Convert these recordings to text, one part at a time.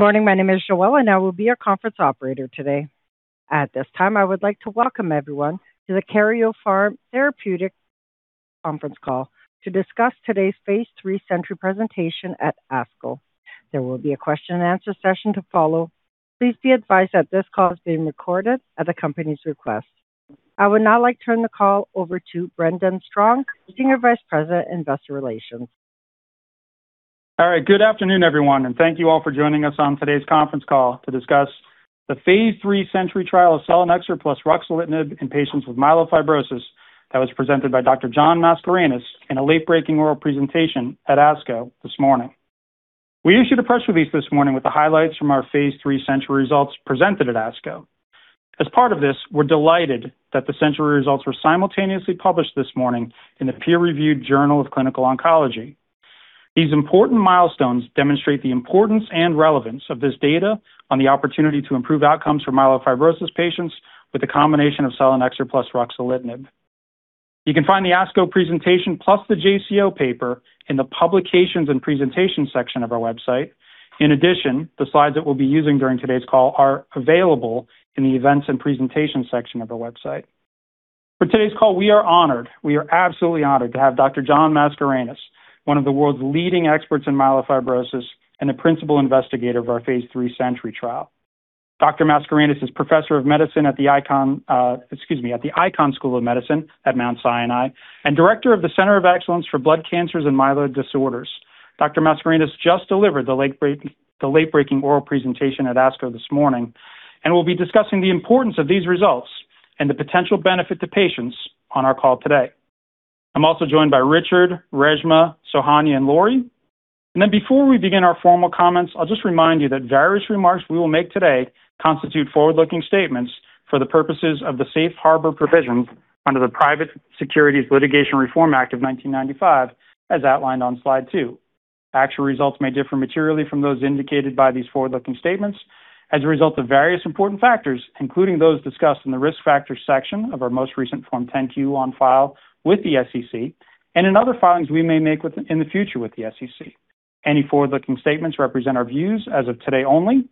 Good morning. My name is Joelle and I will be your conference operator today. At this time, I would like to welcome everyone to the Karyopharm Therapeutics conference call to discuss today's phase III SENTRY presentation at ASCO. There will be a question and answer session to follow. Please be advised that this call is being recorded at the company's request. I would now like to turn the call over to Brendan Strong, Senior Vice President, Investor Relations. All right. Good afternoon, everyone, thank you all for joining us on today's conference call to discuss the Phase III SENTRY trial of selinexor plus ruxolitinib in patients with myelofibrosis that was presented by Dr. John Mascarenhas in a late-breaking oral presentation at ASCO this morning. We issued a press release this morning with the highlights from our Phase III SENTRY results presented at ASCO. As part of this, we're delighted that the SENTRY results were simultaneously published this morning in the peer-reviewed Journal of Clinical Oncology. These important milestones demonstrate the importance and relevance of this data on the opportunity to improve outcomes for myelofibrosis patients with a combination of selinexor plus ruxolitinib. You can find the ASCO presentation plus the JCO paper in the Publications and Presentation section of our website. In addition, the slides that we'll be using during today's call are available in the Events and Presentation section of our website. For today's call, we are honored. We are absolutely honored to have Dr. John Mascarenhas, one of the world's leading experts in myelofibrosis and the principal investigator of our phase III SENTRY trial. Dr. Mascarenhas is Professor of Medicine at the Icahn School of Medicine at Mount Sinai, and Director of the Center of Excellence for Blood Cancers and Myeloid Disorders. Dr. Mascarenhas just delivered the late-breaking oral presentation at ASCO this morning and will be discussing the importance of these results and the potential benefit to patients on our call today. I'm also joined by Richard, Reshma, Sohanya, and Lori. Before we begin our formal comments, I'll just remind you that various remarks we will make today constitute forward-looking statements for the purposes of the Safe Harbor provisions under the Private Securities Litigation Reform Act of 1995, as outlined on slide two. Actual results may differ materially from those indicated by these forward-looking statements as a result of various important factors, including those discussed in the Risk Factors section of our most recent Form 10-Q on file with the SEC and in other filings we may make in the future with the SEC. Any forward-looking statements represent our views as of today only.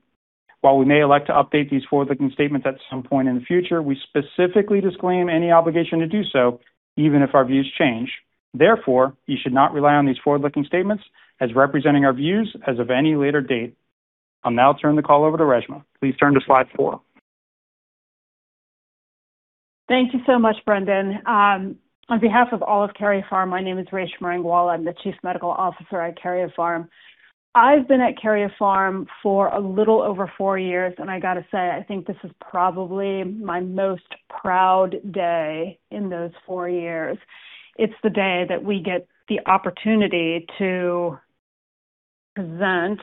While we may elect to update these forward-looking statements at some point in the future, we specifically disclaim any obligation to do so, even if our views change. Therefore, you should not rely on these forward-looking statements as representing our views as of any later date. I'll now turn the call over to Reshma. Please turn to slide four. Thank you so much, Brendan. On behalf of all of Karyopharm, my name is Reshma Rangwala. I'm the chief medical officer at Karyopharm. I've been at Karyopharm for a little over four years, and I got to say, I think this is probably my most proud day in those four years. It's the day that we get the opportunity to present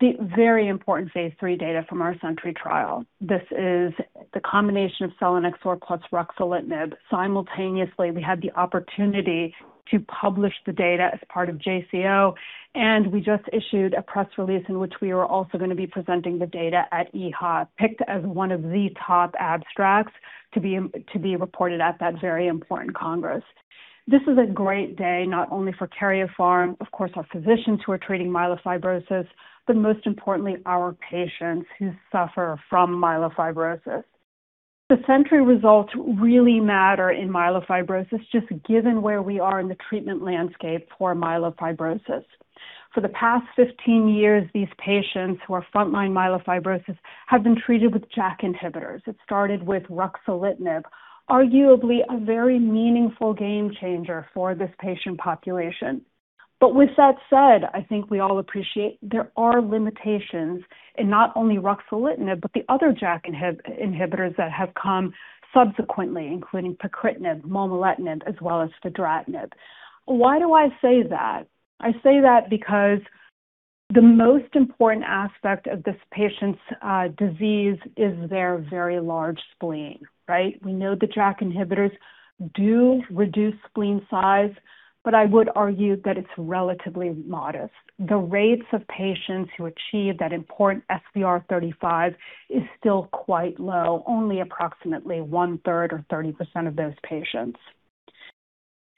the very important phase III data from our SENTRY trial. This is the combination of selinexor plus ruxolitinib. Simultaneously, we had the opportunity to publish the data as part of JCO, and we just issued a press release in which we are also going to be presenting the data at EHA, picked as one of the top abstracts to be reported at that very important congress. This is a great day, not only for Karyopharm, of course, our physicians who are treating myelofibrosis, but most importantly, our patients who suffer from myelofibrosis. The SENTRY results really matter in myelofibrosis, just given where we are in the treatment landscape for myelofibrosis. For the past 15 years, these patients who are frontline myelofibrosis have been treated with JAK inhibitors. It started with ruxolitinib, arguably a very meaningful game changer for this patient population. With that said, I think we all appreciate there are limitations in not only ruxolitinib, but the other JAK inhibitors that have come subsequently, including pacritinib, momelotinib, as well as fedratinib. Why do I say that? I say that because the most important aspect of this patient's disease is their very large spleen. Right? We know the JAK inhibitors do reduce spleen size, but I would argue that it's relatively modest. The rates of patients who achieve that important SVR35 is still quite low, only approximately one-third or 30% of those patients.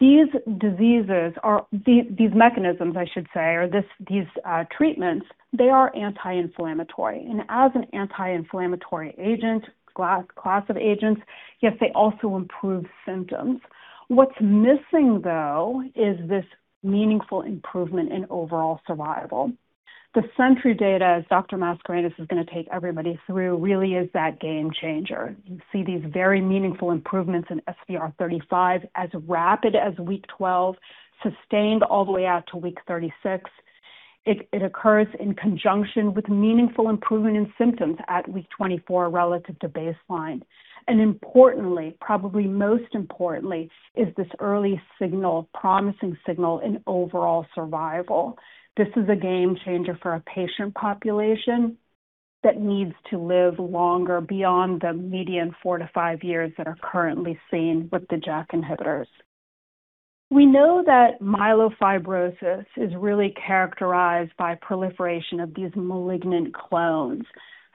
These mechanisms or these treatments, they are anti-inflammatory, and as an anti-inflammatory agent, class of agents, yes, they also improve symptoms. What's missing, though, is this meaningful improvement in overall survival. The SENTRY data, as Dr. Mascarenhas is going to take everybody through, really is that game changer. You see these very meaningful improvements in SVR35 as rapid as week 12, sustained all the way out to week 36. It occurs in conjunction with meaningful improvement in symptoms at week 24 relative to baseline. Importantly, probably most importantly, is this early promising signal in overall survival. This is a game changer for a patient population that needs to live longer beyond the median 4 to 5 years that are currently seen with the JAK inhibitors. We know that myelofibrosis is really characterized by proliferation of these malignant clones.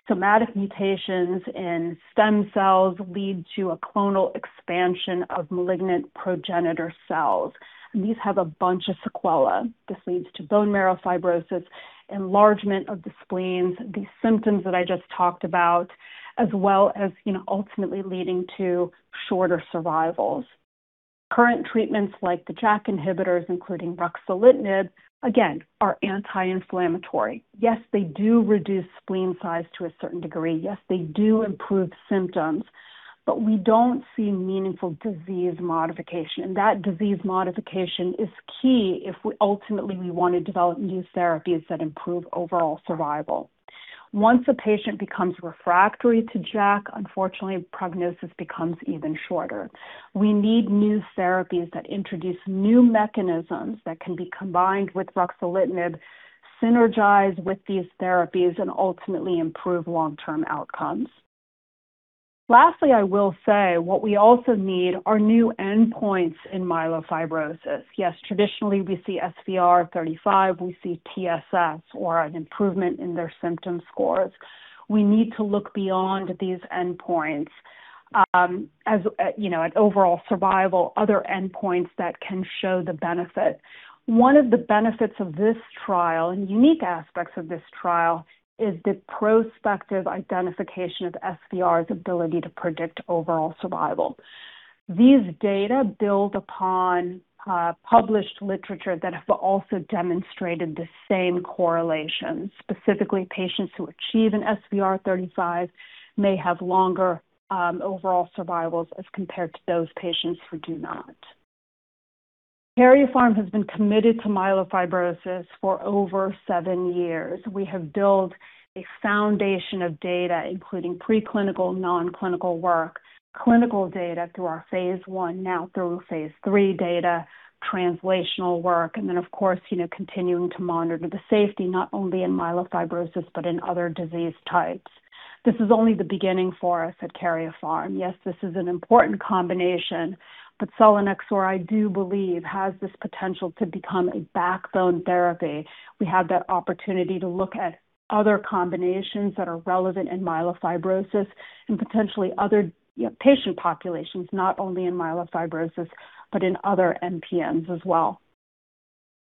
Somatic mutations in stem cells lead to a clonal expansion of malignant progenitor cells, and these have a bunch of sequelae. This leads to bone marrow fibrosis, enlargement of the spleens, these symptoms that I just talked about, as well as ultimately leading to shorter survivals. Current treatments like the JAK inhibitors, including ruxolitinib, again, are anti-inflammatory. Yes, they do reduce spleen size to a certain degree. Yes, they do improve symptoms, we don't see meaningful disease modification. That disease modification is key if ultimately we want to develop new therapies that improve overall survival. Once a patient becomes refractory to JAK, unfortunately prognosis becomes even shorter. We need new therapies that introduce new mechanisms that can be combined with ruxolitinib, synergize with these therapies, and ultimately improve long-term outcomes. Lastly, I will say what we also need are new endpoints in myelofibrosis. Yes, traditionally we see SVR35, we see TSS or an improvement in their symptom scores. We need to look beyond these endpoints at overall survival, other endpoints that can show the benefit. One of the benefits of this trial and unique aspects of this trial is the prospective identification of SVR's ability to predict overall survival. These data build upon published literature that have also demonstrated the same correlations. Specifically, patients who achieve an SVR35 may have longer overall survivals as compared to those patients who do not. Karyopharm has been committed to myelofibrosis for over seven years. We have built a foundation of data, including pre-clinical, non-clinical work, clinical data through our phase I, now through phase III data, translational work. Of course, continuing to monitor the safety not only in myelofibrosis but in other disease types. This is only the beginning for us at Karyopharm. Yes, this is an important combination, selinexor, I do believe, has this potential to become a backbone therapy. We have that opportunity to look at other combinations that are relevant in myelofibrosis and potentially other patient populations, not only in myelofibrosis, in other MPNs as well.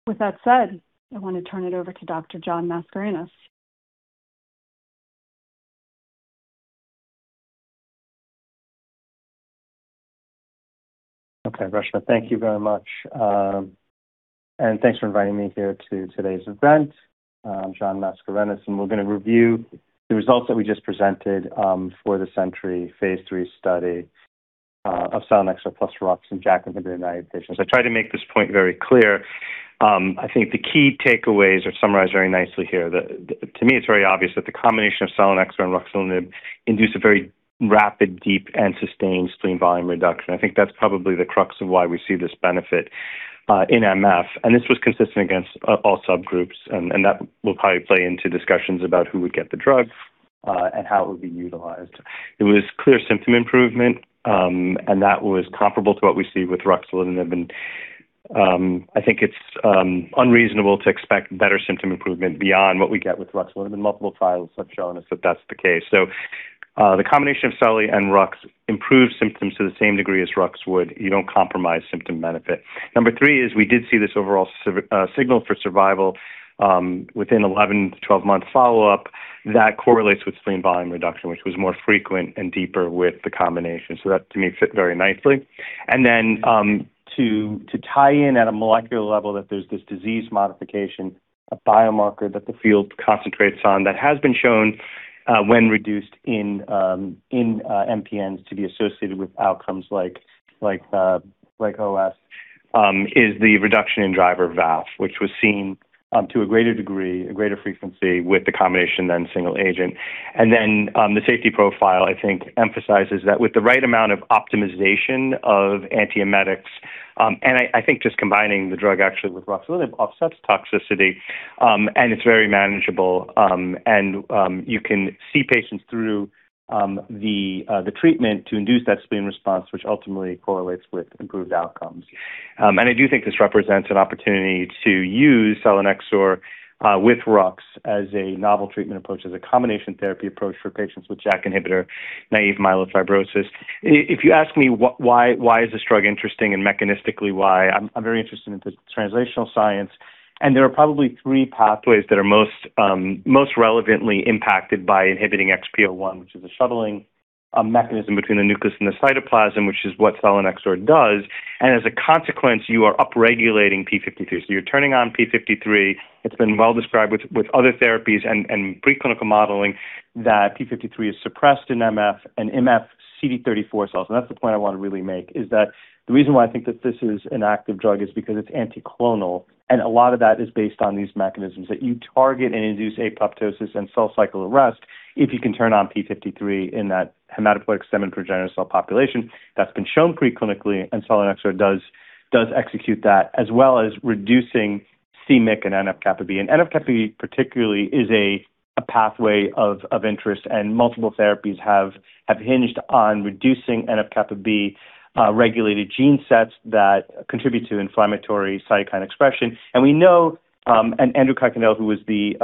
With that said, I want to turn it over to Dr. John Mascarenhas. Reshma, thank you very much. Thanks for inviting me here to today's event. I'm John Mascarenhas, we're going to review the results that we just presented for the SENTRY phase III study of selinexor plus rux in JAK-inhibitor-naive patients. I try to make this point very clear. I think the key takeaways are summarized very nicely here. To me, it's very obvious that the combination of selinexor and ruxolitinib induce a very rapid, deep, and sustained spleen volume reduction. I think that's probably the crux of why we see this benefit in MF. This was consistent against all subgroups, and that will probably play into discussions about who would get the drug and how it would be utilized. It was clear symptom improvement, and that was comparable to what we see with ruxolitinib. I think it's unreasonable to expect better symptom improvement beyond what we get with ruxolitinib, and multiple trials have shown us that that's the case. The combination of seli and rux improves symptoms to the same degree as rux would. You don't compromise symptom benefit. Number 3 is we did see this overall signal for survival within 11 to 12 month follow-up that correlates with spleen volume reduction, which was more frequent and deeper with the combination. That to me fit very nicely. To tie in at a molecular level that there's this disease modification, a biomarker that the field concentrates on that has been shown when reduced in MPNs to be associated with outcomes like OS, is the reduction in driver VAF, which was seen to a greater degree, a greater frequency with the combination than single agent. The safety profile, I think, emphasizes that with the right amount of optimization of antiemetics, I think just combining the drug actually with ruxolitinib offsets toxicity, and it's very manageable. You can see patients through the treatment to induce that spleen response, which ultimately correlates with improved outcomes. I do think this represents an opportunity to use selinexor with Rux as a novel treatment approach, as a combination therapy approach for patients with JAK inhibitor-naive myelofibrosis. If you ask me why is this drug interesting and mechanistically why, I'm very interested in translational science, there are probably three pathways that are most relevantly impacted by inhibiting XPO1, which is a shuttling mechanism between the nucleus and the cytoplasm, which is what selinexor does. As a consequence, you are upregulating p53. You're turning on p53. It's been well described with other therapies and pre-clinical modeling that p53 is suppressed in MF and MF CD34 cells. That's the point I want to really make, is that the reason why I think that this is an active drug is because it's anti-clonal, and a lot of that is based on these mechanisms that you target and induce apoptosis and cell cycle arrest if you can turn on p53 in that hematopoietic stem and progenitor cell population. That's been shown pre-clinically, selinexor does execute that, as well as reducing c-MYC and NF-kappa B. NF-kappa B particularly is a pathway of interest and multiple therapies have hinged on reducing NF-kappa B regulated gene sets that contribute to inflammatory cytokine expression. We know, Andrew Kuykendall, who was the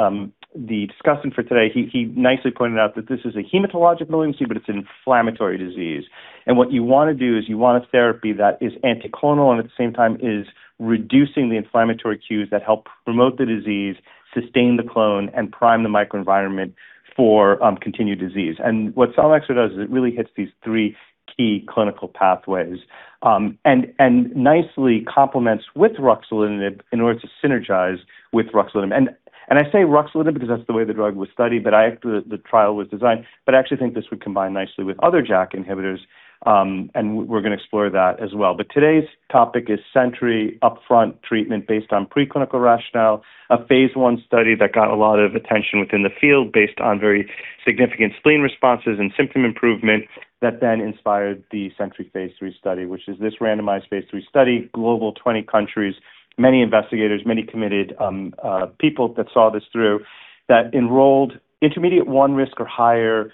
discussant for today, he nicely pointed out that this is a hematologic malignancy, but it's an inflammatory disease. What you want to do is you want a therapy that is anti-clonal and at the same time is reducing the inflammatory cues that help promote the disease, sustain the clone, and prime the microenvironment for continued disease. What selinexor does is it really hits these three key clinical pathways, and nicely complements with ruxolitinib in order to synergize with ruxolitinib. I say ruxolitinib because that's the way the drug was studied, the trial was designed, but I actually think this would combine nicely with other JAK inhibitors, and we're going to explore that as well. Today's topic is SENTRY upfront treatment based on preclinical rationale, a phase I study that got a lot of attention within the field based on very significant spleen responses and symptom improvement that inspired the SENTRY phase III study, which is this randomized phase III study, global 20 countries, many investigators, many committed people that saw this through, that enrolled intermediate one risk or higher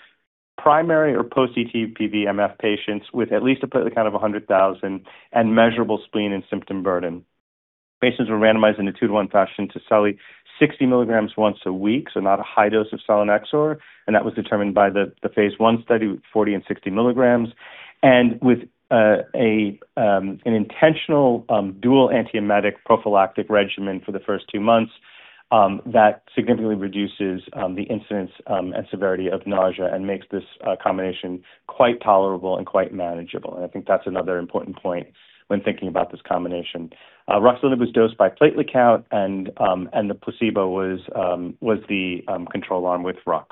primary or post-ET/PV MF patients with at least a platelet count of 100,000 and measurable spleen and symptom burden. Patients were randomized in a 2:1 fashion to seli 60 mg once a week, not a high dose of selinexor, and that was determined by the phase I study with 40 and 60 mg. With an intentional dual antiemetic prophylactic regimen for the first two months that significantly reduces the incidence and severity of nausea and makes this combination quite tolerable and quite manageable, I think that's another important point when thinking about this combination. ruxolitinib was dosed by platelet count and the placebo was the control arm with rux.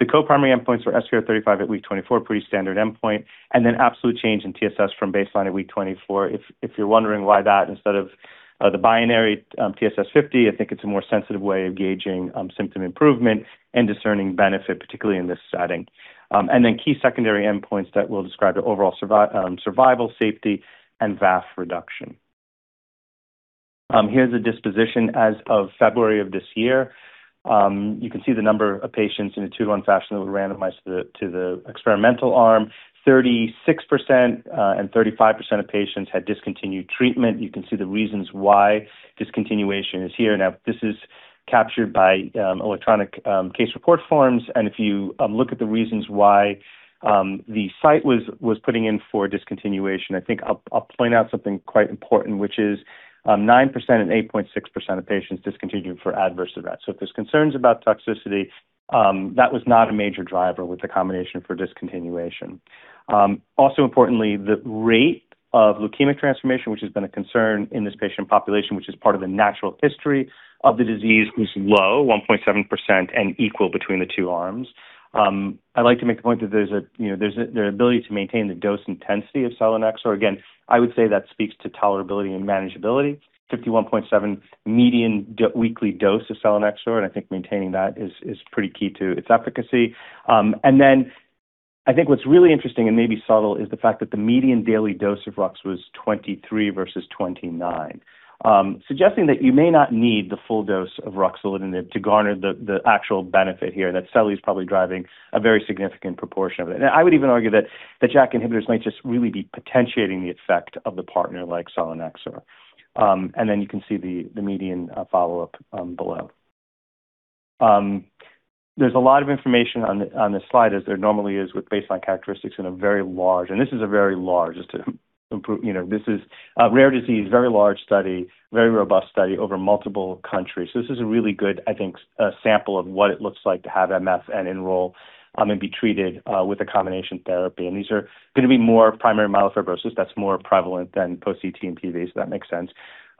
The co-primary endpoints were SVR35 at week 24, pretty standard endpoint, and then absolute change in TSS from baseline at week 24. If you're wondering why that instead of the binary TSS 50, I think it's a more sensitive way of gauging symptom improvement and discerning benefit, particularly in this setting. Key secondary endpoints that we'll describe are overall survival, safety, and VAF reduction. Here's the disposition as of February of this year. You can see the number of patients in a two-to-one fashion that were randomized to the experimental arm, 36% and 35% of patients had discontinued treatment. You can see the reasons why discontinuation is here. Now, this is captured by electronic Case Report Forms, and if you look at the reasons why the site was putting in for discontinuation, I think I'll point out something quite important, which is 9% and 8.6% of patients discontinued for adverse events. If there's concerns about toxicity, that was not a major driver with the combination for discontinuation. Also importantly, the rate of leukemic transformation, which has been a concern in this patient population, which is part of the natural history of the disease, was low, 1.7% and equal between the two arms. I'd like to make the point that there's the ability to maintain the dose intensity of selinexor. Again, I would say that speaks to tolerability and manageability. 51.7 median weekly dose of selinexor. I think maintaining that is pretty key to its efficacy. I think what's really interesting and maybe subtle is the fact that the median daily dose of rux was 23 versus 29, suggesting that you may not need the full dose of ruxolitinib to garner the actual benefit here, that seli is probably driving a very significant proportion of it. Now, I would even argue that the JAK inhibitors might just really be potentiating the effect of the partner like selinexor. You can see the median follow-up below. There's a lot of information on this slide, as there normally is with baseline characteristics in a very large, just to rare disease, very large study, very robust study over multiple countries. This is a really good, I think, sample of what it looks like to have MF and enroll and be treated with a combination therapy. These are going to be more primary myelofibrosis, that's more prevalent than post-ET/PV, so that makes sense.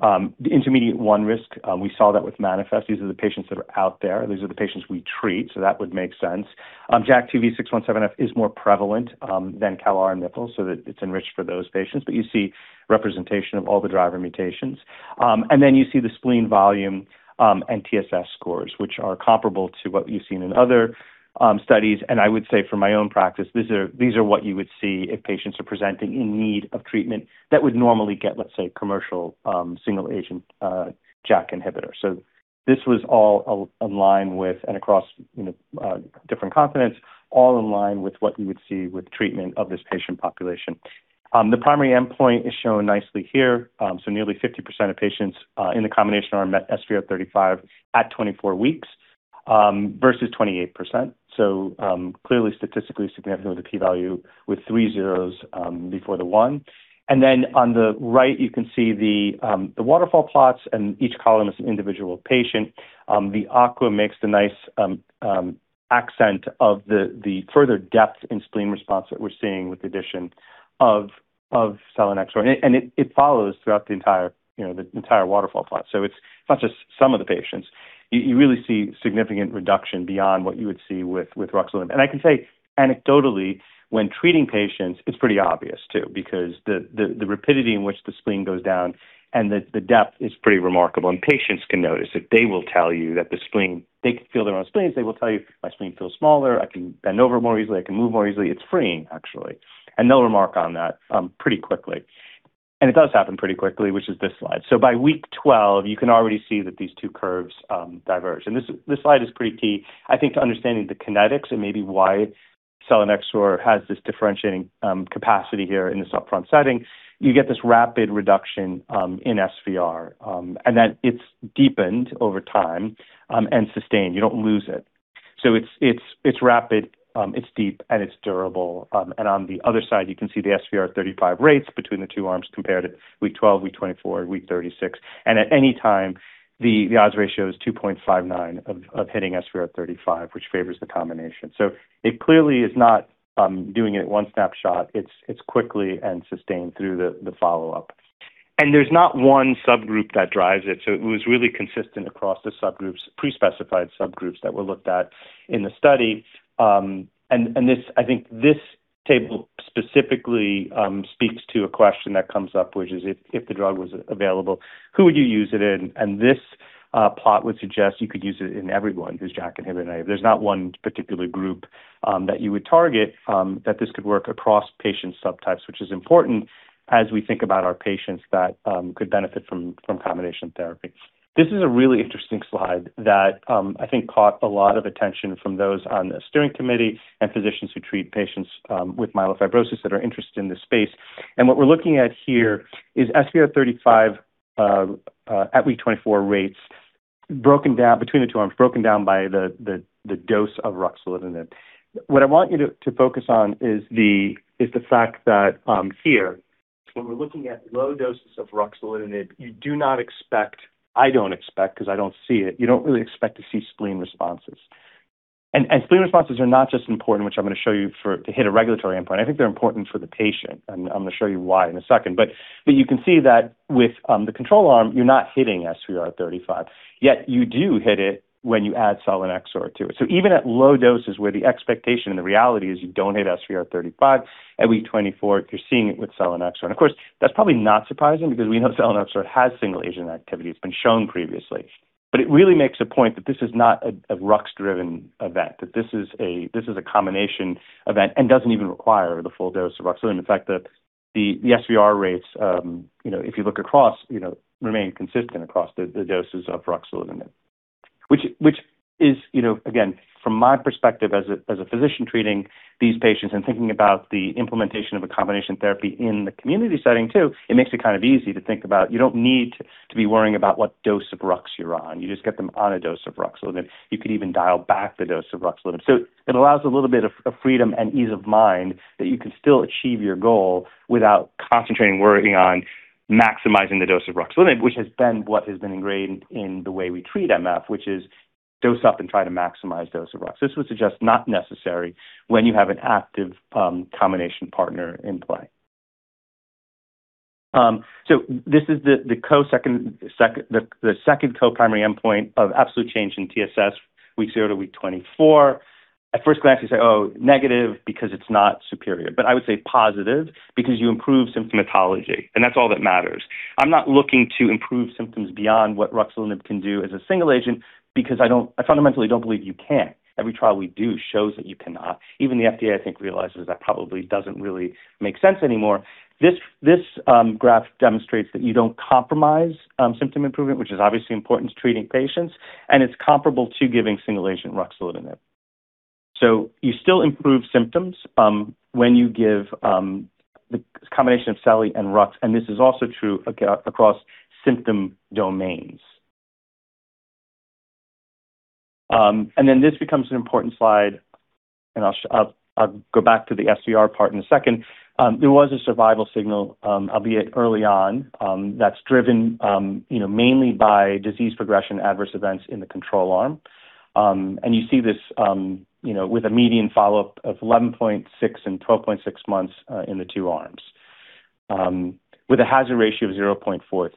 The intermediate one risk, we saw that with COMFORT. These are the patients that are out there. These are the patients we treat, so that would make sense. JAK2 V617F is more prevalent than CALR and MPL, so that it's enriched for those patients. You see representation of all the driver mutations. Then you see the spleen volume and TSS scores, which are comparable to what you've seen in other studies. I would say from my own practice, these are what you would see if patients are presenting in need of treatment that would normally get, let's say, commercial single-agent JAK inhibitor. This was all in line with, and across different continents, all in line with what you would see with treatment of this patient population. The primary endpoint is shown nicely here. Nearly 50% of patients in the combination arm met SVR35 at 24 weeks versus 28%. Clearly statistically significant with a P value with three zeros before the one. On the right, you can see the waterfall plots and each column is an individual patient. The aqua makes the nice accent of the further depth in spleen response that we're seeing with the addition of selinexor. It follows throughout the entire waterfall plot. It's not just some of the patients. You really see significant reduction beyond what you would see with ruxolitinib. I can say anecdotally, when treating patients, it's pretty obvious too, because the rapidity in which the spleen goes down and the depth is pretty remarkable, and patients can notice it. They will tell you that the spleen, they can feel their own spleens, they will tell you, "My spleen feels smaller. I can bend over more easily. I can move more easily." It's freeing, actually. They'll remark on that pretty quickly. It does happen pretty quickly, which is this slide. By week 12, you can already see that these two curves diverge. This slide is pretty key, I think, to understanding the kinetics and maybe why selinexor has this differentiating capacity here in this upfront setting. You get this rapid reduction in SVR, and that it's deepened over time and sustained. You don't lose it. It's rapid, it's deep, and it's durable. On the other side, you can see the SVR35 rates between the two arms compared at week 12, week 24, week 36. At any time, the odds ratio is 2.59 of hitting SVR35, which favors the combination. It clearly is not doing it one snapshot. It's quickly and sustained through the follow-up. There's not one subgroup that drives it, so it was really consistent across the subgroups, pre-specified subgroups that were looked at in the study. I think this table specifically speaks to a question that comes up, which is if the drug was available, who would you use it in? This plot would suggest you could use it in everyone who's JAK inhibitor naive. There's not one particular group that you would target that this could work across patient subtypes, which is important as we think about our patients that could benefit from combination therapy. This is a really interesting slide that I think caught a lot of attention from those on the steering committee and physicians who treat patients with myelofibrosis that are interested in this space. What we're looking at here is SVR35 at week 24 rates between the two arms broken down by the dose of ruxolitinib. What I want you to focus on is the fact that here, when we're looking at low doses of ruxolitinib, you do not expect, I don't expect because I don't see it, you don't really expect to see spleen responses. Spleen responses are not just important, which I'm going to show you to hit a regulatory endpoint. I think they're important for the patient. I'm going to show you why in a second. You can see that with the control arm, you're not hitting SVR35, yet you do hit it when you add selinexor to it. Even at low doses where the expectation and the reality is you don't hit SVR35 at week 24, you're seeing it with selinexor. Of course, that's probably not surprising because we know selinexor has single-agent activity. It's been shown previously. It really makes a point that this is not a rux-driven event, that this is a combination event and doesn't even require the full dose of ruxolitinib. In fact, the SVR rates if you look across, remain consistent across the doses of ruxolitinib, which is, again, from my perspective as a physician treating these patients and thinking about the implementation of a combination therapy in the community setting too, it makes it kind of easy to think about. You don't need to be worrying about what dose of Rux you're on. You just get them on a dose of ruxolitinib. You could even dial back the dose of ruxolitinib. It allows a little bit of freedom and ease of mind that you can still achieve your goal without concentrating, worrying on maximizing the dose of ruxolitinib, which has been what has been ingrained in the way we treat MF, which is dose up and try to maximize dose of Rux. This would suggest not necessary when you have an active combination partner in play. This is the second co-primary endpoint of absolute change in TSS, week 0 to week 24. At first glance, you say, "Oh, negative, because it's not superior." I would say positive because you improve symptomatology, and that's all that matters. I'm not looking to improve symptoms beyond what ruxolitinib can do as a single agent because I fundamentally don't believe you can. Every trial we do shows that you cannot. Even the FDA, I think, realizes that probably doesn't really make sense anymore. This graph demonstrates that you don't compromise symptom improvement, which is obviously important to treating patients, and it's comparable to giving single-agent ruxolitinib. You still improve symptoms when you give the combination of seli and Rux, and this is also true across symptom domains. This becomes an important slide, and I'll go back to the SVR part in a second. There was a survival signal, albeit early on, that's driven mainly by disease progression, adverse events in the control arm. You see this with a median follow-up of 11.6 and 12.6 months in the two arms with a hazard ratio of 0.43.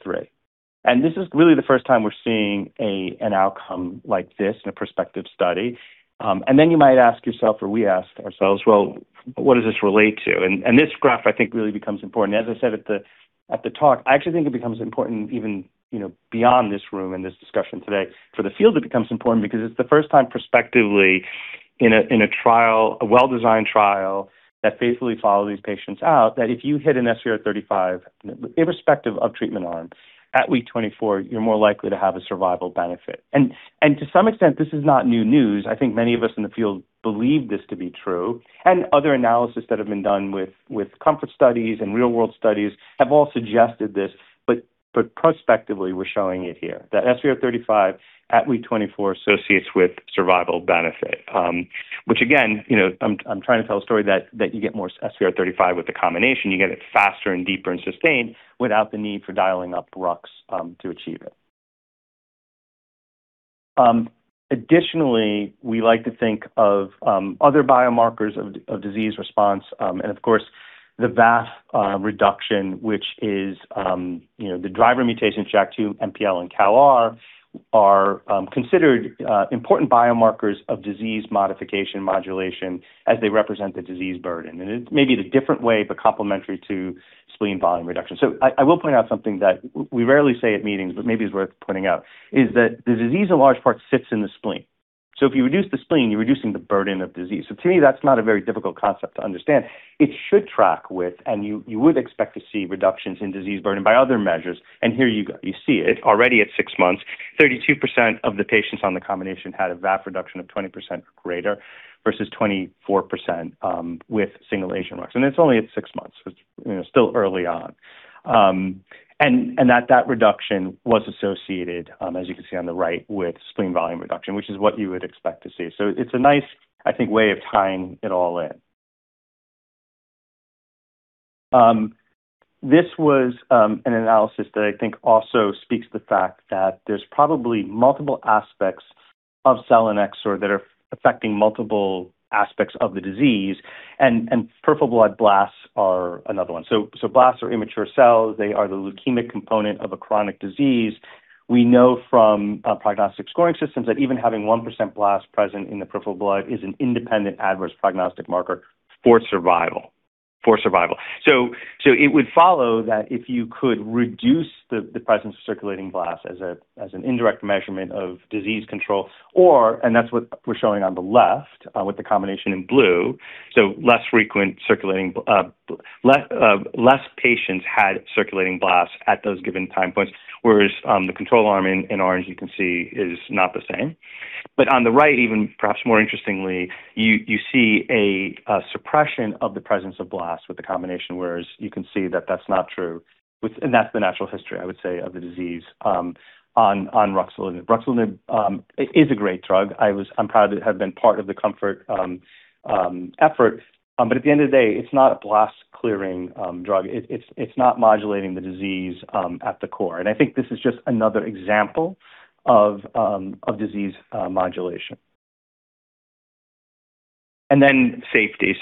This is really the first time we're seeing an outcome like this in a prospective study. You might ask yourself, or we asked ourselves, "Well, what does this relate to?" This graph, I think, really becomes important. As I said at the talk, I actually think it becomes important even beyond this room and this discussion today. For the field, it becomes important because it's the first time prospectively in a well-designed trial that faithfully follow these patients out, that if you hit an SVR35, irrespective of treatment arm, at week 24, you're more likely to have a survival benefit. To some extent, this is not new news. I think many of us in the field believe this to be true, and other analysis that have been done with COMFORT studies and real-world studies have all suggested this, but prospectively, we're showing it here, that SVR35 at week 24 associates with survival benefit, which again, I'm trying to tell a story that you get more SVR35 with the combination. You get it faster and deeper and sustained without the need for dialing up rux to achieve it. Additionally, we like to think of other biomarkers of disease response. Of course, the VAF reduction, which is the driver mutations JAK2, MPL, and CALR are considered important biomarkers of disease modification, modulation as they represent the disease burden. It may be the different way, but complementary to spleen volume reduction. I will point out something that we rarely say at meetings, but maybe it's worth pointing out, is that the disease in large part sits in the spleen. If you reduce the spleen, you're reducing the burden of disease. To me, that's not a very difficult concept to understand. It should track with, and you would expect to see reductions in disease burden by other measures. Here you go. You see it already at six months, 32% of the patients on the combination had a VAF reduction of 20% or greater versus 24% with single-agent rux. It's only at six months. It's still early on. That reduction was associated, as you can see on the right, with spleen volume reduction, which is what you would expect to see. It's a nice, I think, way of tying it all in. This was an analysis that I think also speaks to the fact that there's probably multiple aspects of selinexor that are affecting multiple aspects of the disease and peripheral blood blasts are another one. Blasts are immature cells. They are the leukemic component of a chronic disease. We know from prognostic scoring systems that even having 1% blasts present in the peripheral blood is an independent adverse prognostic marker for survival. It would follow that if you could reduce the presence of circulating blasts as an indirect measurement of disease control. That's what we're showing on the left with the combination in blue. Less patients had circulating blasts at those given time points, whereas the control arm in orange, you can see is not the same. On the right, even perhaps more interestingly, you see a suppression of the presence of blasts with the combination, whereas you can see that that's not true. That's the natural history, I would say, of the disease on ruxolitinib. Ruxolitinib is a great drug. I'm proud to have been part of the COMFORT effort. At the end of the day, it's not a blast-clearing drug. It's not modulating the disease at the core. I think this is just another example of disease modulation. Safety.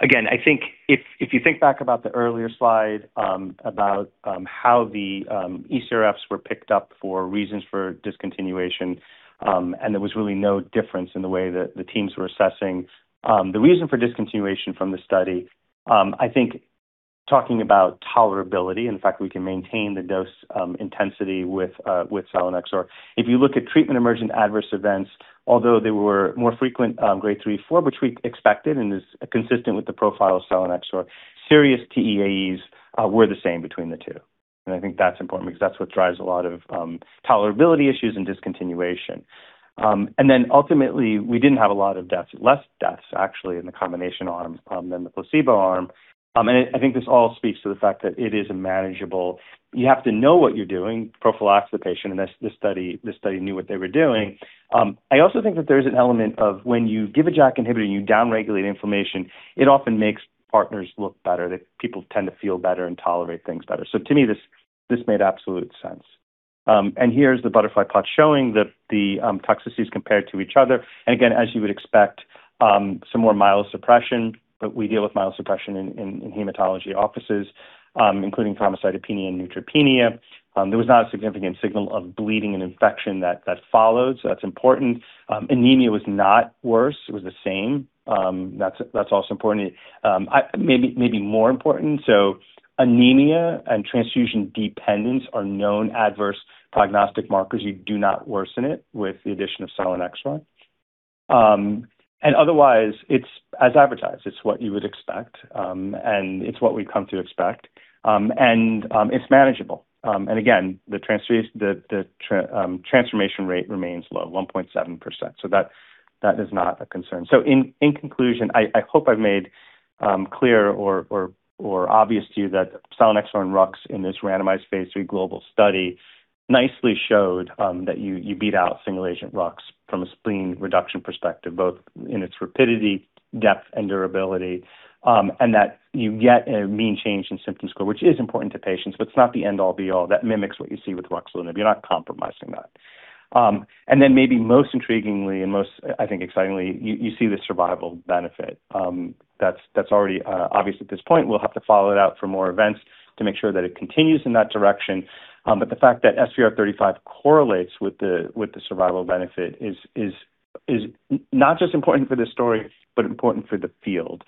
Again, I think if you think back about the earlier slide about how the eCRFs were picked up for reasons for discontinuation, and there was really no difference in the way that the teams were assessing the reason for discontinuation from the study. I think talking about tolerability, in fact, we can maintain the dose intensity with selinexor. If you look at treatment-emergent adverse events, although they were more frequent, Grade 3 or 4, which we expected and is consistent with the profile of selinexor, serious TEAEs were the same between the two. I think that's important because that's what drives a lot of tolerability issues and discontinuation. Ultimately, we didn't have a lot of deaths, less deaths actually in the combination arm than the placebo arm. I think this all speaks to the fact that it is a manageable. You have to know what you're doing, prophylax the patient, and this study knew what they were doing. I also think that there's an element of when you give a JAK inhibitor and you downregulate inflammation, it often makes partners look better, that people tend to feel better and tolerate things better. To me, this made absolute sense. Here's the butterfly plot showing the toxicities compared to each other. Again, as you would expect, some more myelosuppression, but we deal with myelosuppression in hematology offices, including thrombocytopenia and neutropenia. There was not a significant signal of bleeding and infection that followed, so that's important. Anemia was not worse. It was the same. That's also important. Maybe more important, so anemia and transfusion dependence are known adverse prognostic markers. You do not worsen it with the addition of selinexor. Otherwise, it's as advertised. It's what you would expect, and it's what we've come to expect, and it's manageable. Again, the transformation rate remains low, 1.7%. That is not a concern. In conclusion, I hope I've made clear or obvious to you that selinexor and rux in this randomized phase III global study nicely showed that you beat out single-agent rux from a spleen reduction perspective, both in its rapidity, depth, and durability, and that you get a mean change in symptom score, which is important to patients, but it's not the end-all be-all. That mimics what you see with ruxolitinib. You're not compromising that. Maybe most intriguingly and most, I think, excitingly, you see the survival benefit. That's already obvious at this point. We'll have to follow it out for more events to make sure that it continues in that direction. The fact that SVR35 correlates with the survival benefit is not just important for this story but important for the field.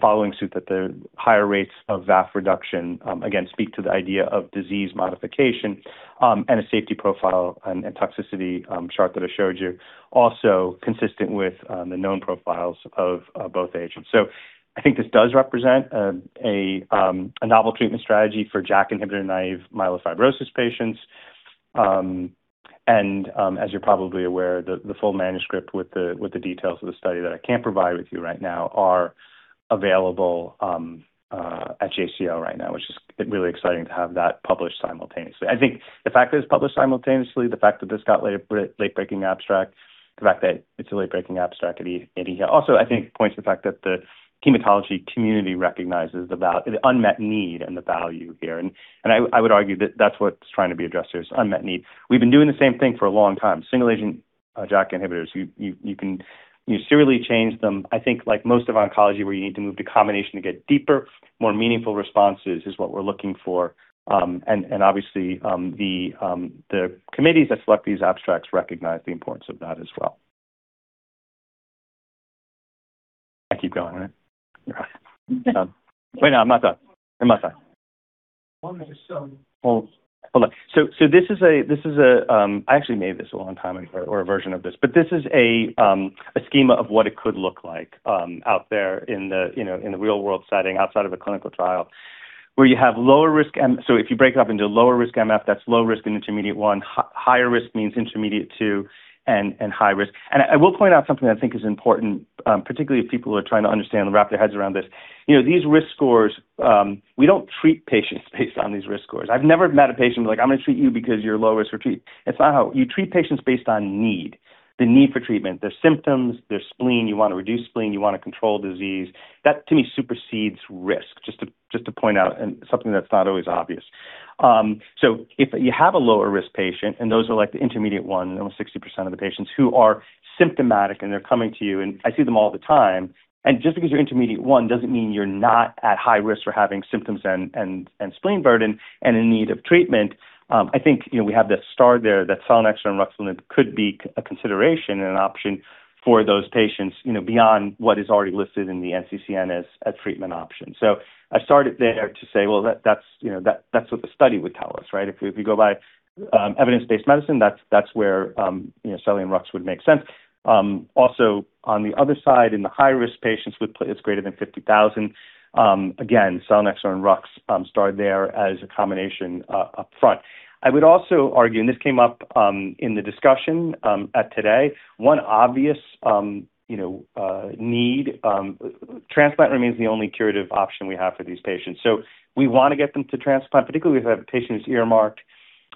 Following suit that the higher rates of VAF reduction, again, speak to the idea of disease modification and a safety profile and toxicity chart that I showed you, also consistent with the known profiles of both agents. I think this does represent a novel treatment strategy for JAK inhibitor-naive myelofibrosis patients. As you're probably aware, the full manuscript with the details of the study that I can't provide with you right now are available at JCO right now, which is really exciting to have that published simultaneously. I think the fact that it's published simultaneously, the fact that this got late-breaking abstract, the fact that it's a late-breaking abstract at EHA also, I think, points to the fact that the hematology community recognizes the unmet need and the value here. I would argue that that's what's trying to be addressed here is unmet need. We've been doing the same thing for a long time. Single-agent JAK inhibitors, you serially change them. I think like most of oncology, where you need to move to combination to get deeper, more meaningful responses is what we're looking for. Obviously, the committees that select these abstracts recognize the importance of that as well. I keep going, right? You're right. Wait, no, I'm not done. I'm not done. Well, there's. Hold on. I actually made this a long time ago, or a version of this, but this is a schema of what it could look like out there in the real-world setting outside of a clinical trial where you have lower risk. If you break it up into lower risk MF, that's low risk and intermediate 1, higher risk means intermediate 2 and high risk. I will point out something I think is important, particularly if people are trying to understand and wrap their heads around this. These risk scores, we don't treat patients based on these risk scores. I've never met a patient where like, "I'm going to treat you because you're low risk for treat." It's not how. You treat patients based on need, the need for treatment, their symptoms, their spleen. You want to reduce spleen, you want to control disease. To me, supersedes risk, just to point out, and something that's not always obvious. If you have a lower risk patient, and those are like the intermediate 1, almost 60% of the patients who are symptomatic, and they're coming to you, and I see them all the time. Just because you're intermediate 1 doesn't mean you're not at high risk for having symptoms and spleen burden and in need of treatment. I think we have that star there, that selinexor and ruxolitinib could be a consideration and an option for those patients, beyond what is already listed in the NCCN as a treatment option. I started there to say, well, that's what the study would tell us, right? If you go by evidence-based medicine, that's where seline rux would make sense. On the other side, in the high-risk patients with platelets greater than 50,000, again, selinexor and rux starred there as a combination up front. I would also argue, and this came up in the discussion today, one obvious need, transplant remains the only curative option we have for these patients. We want to get them to transplant, particularly if we have a patient who's earmarked,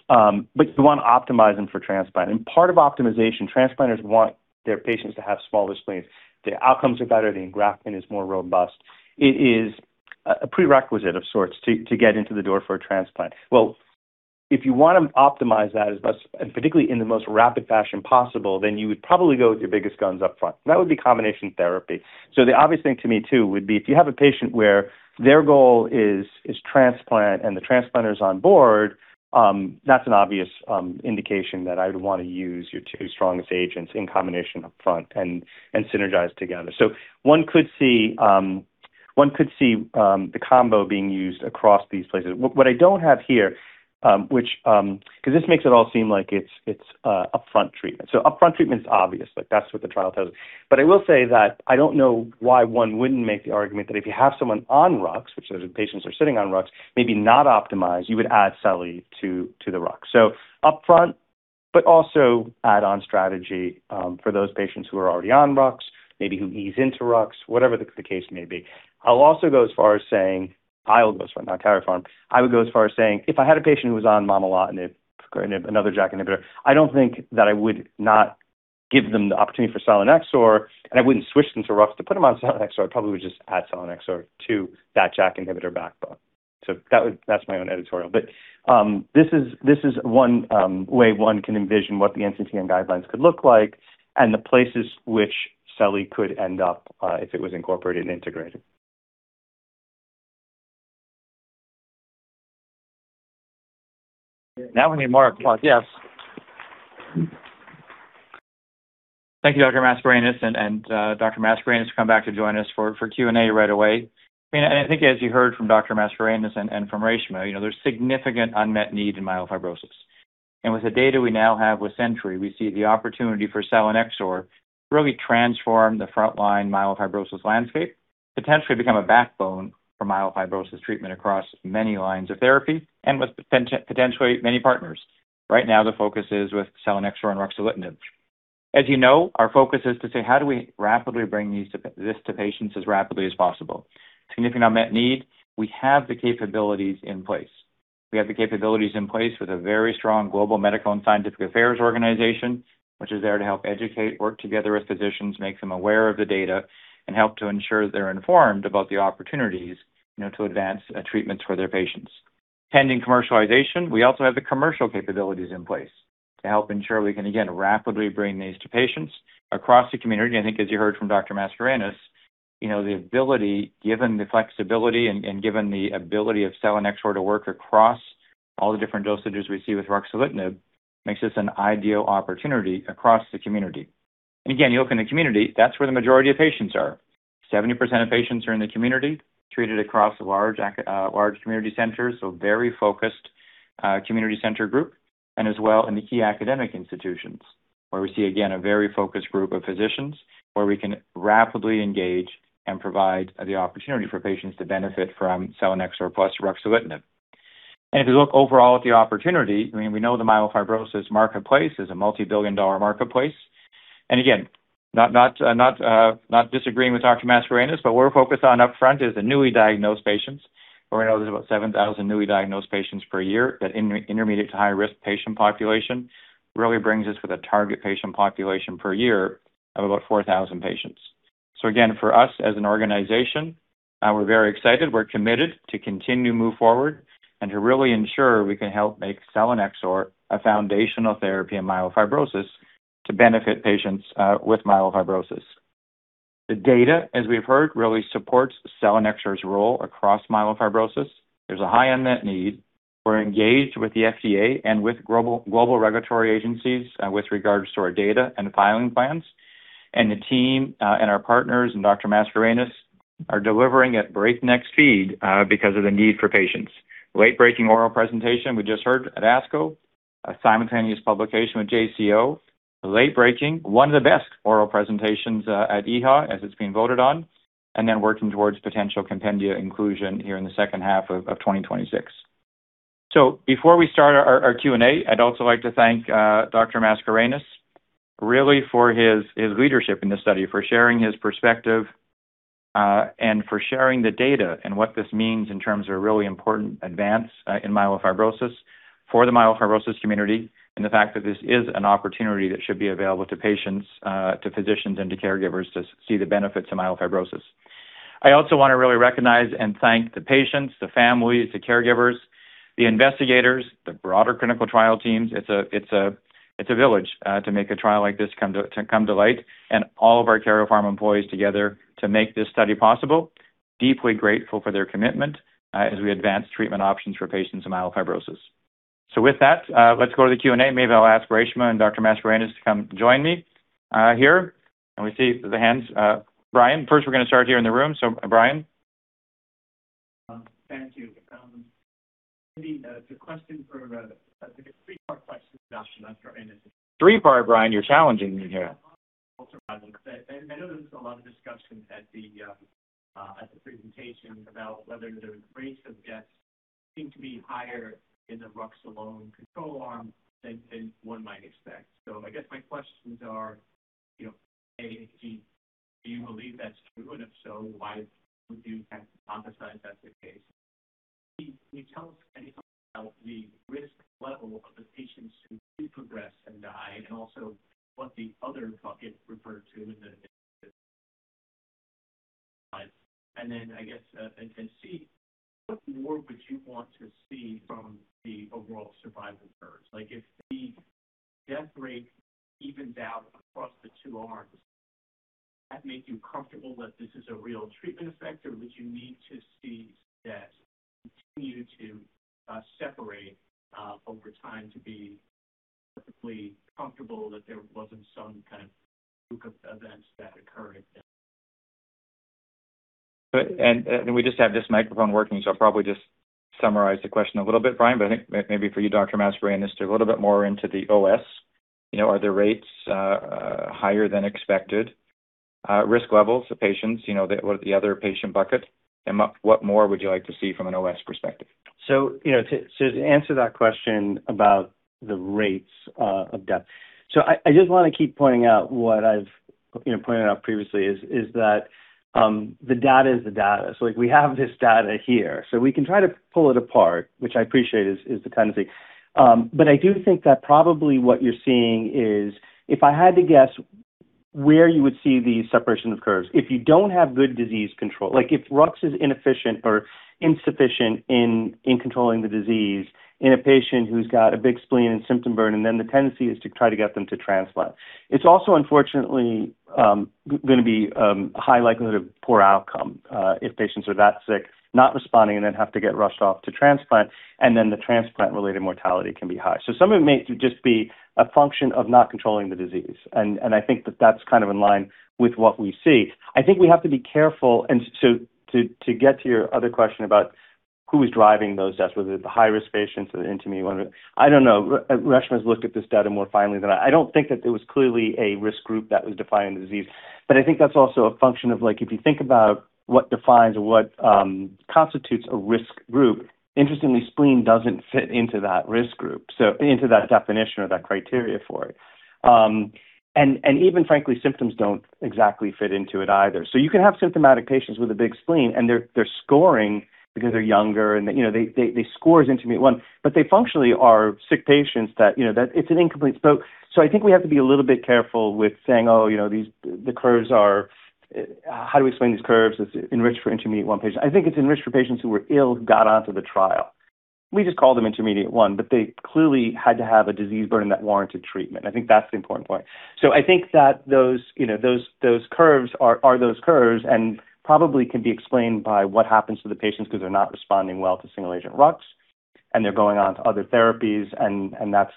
but you want to optimize them for transplant. Part of optimization, transplanters want their patients to have smaller spleens. The outcomes are better. The engraftment is more robust. It is a prerequisite of sorts to get into the door for a transplant. Well, if you want to optimize that as best, and particularly in the most rapid fashion possible, then you would probably go with your biggest guns up front, and that would be combination therapy. The obvious thing to me, too, would be if you have a patient where their goal is transplant and the transplanter's on board, that's an obvious indication that I would want to use your two strongest agents in combination up front and synergize together. One could see the combo being used across these places. What I don't have here, because this makes it all seem like it's upfront treatment. Upfront treatment's obvious. That's what the trial tells. I will say that I don't know why one wouldn't make the argument that if you have someone on rux, which those are patients who are sitting on rux, maybe not optimized, you would add seline to the rux. Upfront, but also add-on strategy for those patients who are already on rux, maybe who ease into rux, whatever the case may be. I'll also go as far as saying, not Karyopharm, I would go as far as saying, if I had a patient who was on momelotinib or another JAK inhibitor, I don't think that I would not give them the opportunity for selinexor, and I wouldn't switch them to rux to put them on selinexor. I probably would just add selinexor to that JAK inhibitor backbone. That's my own editorial, but this is one way one can envision what the NCCN guidelines could look like and the places which seline could end up if it was incorporated and integrated. We need more applause. Yes. Thank you, Dr. Mascarenhas. Dr. Mascarenhas will come back to join us for Q&A right away. I think as you heard from Dr. Mascarenhas and from Reshma, there's significant unmet need in myelofibrosis. With the data we now have with SENTRY, we see the opportunity for selinexor to really transform the frontline myelofibrosis landscape, potentially become a backbone for myelofibrosis treatment across many lines of therapy and with potentially many partners. Right now, the focus is with selinexor and ruxolitinib. As you know, our focus is to say, how do we rapidly bring this to patients as rapidly as possible. Significant unmet need. We have the capabilities in place. We have the capabilities in place with a very strong global medical and scientific affairs organization, which is there to help educate, work together with physicians, make them aware of the data, and help to ensure that they're informed about the opportunities to advance treatments for their patients. Pending commercialization, we also have the commercial capabilities in place to help ensure we can, again, rapidly bring these to patients across the community. I think as you heard from Dr. Mascarenhas, the ability, given the flexibility and given the ability of selinexor to work across all the different dosages we see with ruxolitinib, makes this an ideal opportunity across the community. Again, you look in the community, that's where the majority of patients are. 70% of patients are in the community, treated across large community centers, so very focused community center group, and as well in the key academic institutions, where we see, again, a very focused group of physicians where we can rapidly engage and provide the opportunity for patients to benefit from selinexor plus ruxolitinib. If you look overall at the opportunity, we know the myelofibrosis marketplace is a multi-billion dollar marketplace. Again, not disagreeing with Dr. Mascarenhas, but what we're focused on upfront is the newly diagnosed patients, where we know there's about 7,000 newly diagnosed patients per year. That intermediate to high-risk patient population really brings us with a target patient population per year of about 4,000 patients. Again, for us as an organization, we're very excited. We're committed to continue to move forward and to really ensure we can help make selinexor a foundational therapy in myelofibrosis to benefit patients with myelofibrosis. The data, as we've heard, really supports selinexor's role across myelofibrosis. There's a high unmet need. We're engaged with the FDA and with global regulatory agencies with regards to our data and filing plans. The team, and our partners, and Dr. Mascarenhas are delivering at breakneck speed because of the need for patients. Late-breaking oral presentation we just heard at ASCO, a simultaneous publication with JCO, late-breaking, one of the best oral presentations at EHA, as it's been voted on, and then working towards potential compendia inclusion here in the second half of 2026. Before we start our Q&A, I'd also like to thank Dr. Mascarenhas really for his leadership in this study, for sharing his perspective, and for sharing the data and what this means in terms of a really important advance in myelofibrosis for the myelofibrosis community, and the fact that this is an opportunity that should be available to patients, to physicians, and to caregivers to see the benefits of myelofibrosis. I also want to really recognize and thank the patients, the families, the caregivers, the investigators, the broader clinical trial teams. It's a village to make a trial like this come to light, and all of our Karyopharm employees together to make this study possible. Deeply grateful for their commitment as we advance treatment options for patients with myelofibrosis. With that, let's go to the Q&A. Maybe I'll ask Reshma and Dr. Mascarenhas to come join me here. We see the hands. Brian, first we're going to start here in the room. Brian? Thank you. It's a three-part question, John, and that's for Mascarenhas. Three-part, Brian, you're challenging me here. I know there was a lot of discussion at the presentation about whether the rates of deaths seem to be higher in the rux alone control arm than one might expect. I guess my questions are, A, do you believe that's true, and if so, why would you hypothesize that's the case? B, can you tell us anything about the risk level of the patients who do progress and die? C, what more would you want to see from the overall survival curves? Like if the death rate evens out across the two arms, does that make you comfortable that this is a real treatment effect, or would you need to see deaths continue to separate over time to be perfectly comfortable that there wasn't some kind of fluke of events that occurred? We just have this microphone working, so I'll probably just summarize the question a little bit, Brian. I think maybe for you, Dr. Mascarenhas, to go a little bit more into the OS. Are the rates higher than expected? Risk levels of patients, what are the other patient bucket? What more would you like to see from an OS perspective? To answer that question about the rates of death. I just want to keep pointing out what I've pointed out previously, is that the data is the data. We have this data here, so we can try to pull it apart, which I appreciate is the tendency. I do think that probably what you're seeing is if I had to guess where you would see the separation of curves, if you don't have good disease control, like if rux is inefficient or insufficient in controlling the disease in a patient who's got a big spleen and symptom burden, then the tendency is to try to get them to transplant. It's also unfortunately going to be a high likelihood of poor outcome if patients are that sick, not responding, and then have to get rushed off to transplant, and then the transplant-related mortality can be high. Some of it may just be a function of not controlling the disease, and I think that that's kind of in line with what we see. I think we have to be careful, and to get to your other question about who's driving those deaths, whether they're the high-risk patients or the intermediate one. I don't know. Reshma's looked at this data more finely than I. I don't think that there was clearly a risk group that was defining the disease. I think that's also a function of if you think about what defines or what constitutes a risk group, interestingly, spleen doesn't fit into that risk group, so into that definition or that criteria for it. Even frankly, symptoms don't exactly fit into it either. You can have symptomatic patients with a big spleen, and they're scoring because they're younger and their score is intermediate 1, but they functionally are sick patients that it's incomplete. I think we have to be a little bit careful with saying, "Oh, how do we explain these curves? It's enriched for intermediate 1 patient." I think it's enriched for patients who were ill who got onto the trial. We just called them intermediate 1, but they clearly had to have a disease burden that warranted treatment. I think that's the important point. I think that those curves are those curves and probably can be explained by what happens to the patients because they're not responding well to single-agent rux, and they're going on to other therapies, and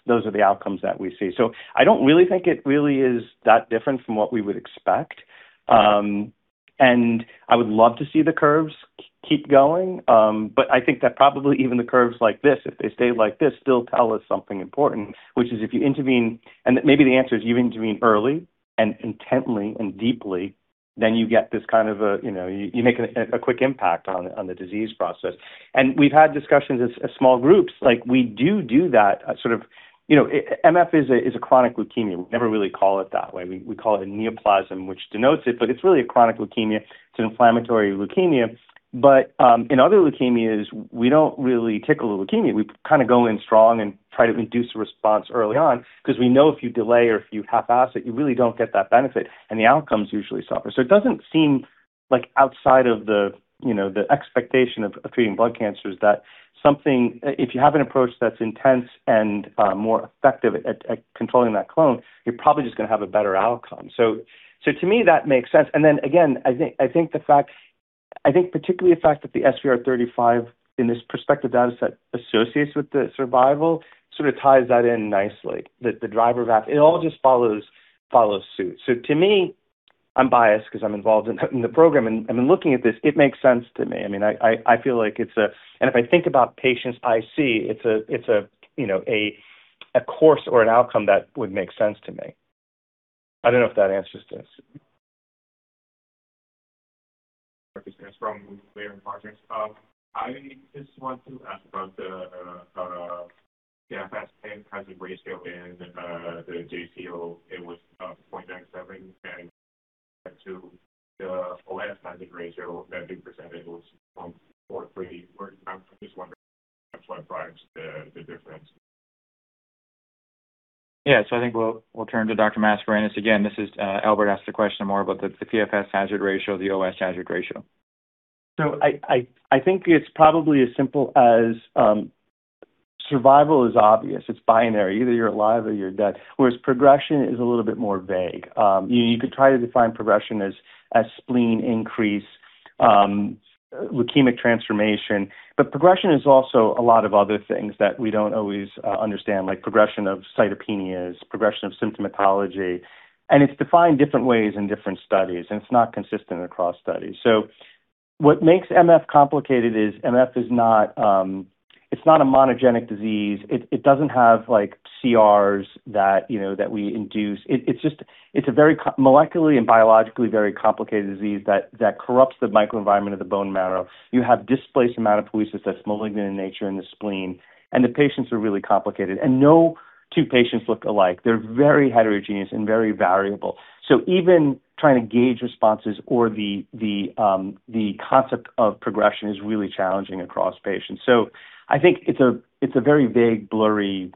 those are the outcomes that we see. I don't really think it really is that different from what we would expect. I would love to see the curves keep going. I think that probably even the curves like this, if they stay like this, still tell us something important, which is if you intervene, and maybe the answer is you intervene early and intently and deeply, then you make a quick impact on the disease process. We've had discussions as small groups, like we do that sort of MF is a chronic leukemia. We never really call it that way. We call it a neoplasm, which denotes it, but it's really a chronic leukemia. It's an inflammatory leukemia. In other leukemias, we don't really tickle the leukemia. We kind of go in strong and try to induce a response early on because we know if you delay or if you half-ass it, you really don't get that benefit, and the outcomes usually suffer. It doesn't seem like outside of the expectation of treating blood cancers that something, if you have an approach that's intense and more effective at controlling that clone, you're probably just going to have a better outcome. To me, that makes sense. Again, I think particularly the fact that the SVR35 in this prospective dataset associates with the survival ties that in nicely. The driver VAF, it all just follows suit. To me, I'm biased because I'm involved in the program, and in looking at this, it makes sense to me. I feel like if I think about patients I see, it's a course or an outcome that would make sense to me. I don't know if that answers this. This is from Claire Rogers. I just want to ask about the PFS hazard ratio in the JCO. It was 0.97 compared to the OS hazard ratio, that big % was 4.3. I'm just wondering what drives the difference. Yeah. I think we'll turn to Dr. Mascarenhas again. Albert asked a question more about the PFS hazard ratio, the OS hazard ratio. I think it's probably as simple as survival is obvious. It's binary. Either you're alive or you're dead, whereas progression is a little bit more vague. You could try to define progression as spleen increase, leukemic transformation, progression is also a lot of other things that we don't always understand, like progression of cytopenias, progression of symptomatology, and it's defined different ways in different studies, and it's not consistent across studies. What makes MF complicated is MF is not a monogenic disease. It doesn't have CRs that we induce. It's a molecularly and biologically very complicated disease that corrupts the microenvironment of the bone marrow. You have displaced myelopoiesis that's malignant in nature in the spleen, the patients are really complicated. No two patients look alike. They're very heterogeneous and very variable. Even trying to gauge responses or the concept of progression is really challenging across patients. I think it's a very vague, blurry,